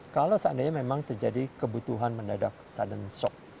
kalau seandainya memang terjadi kebutuhan mendadak sudan shock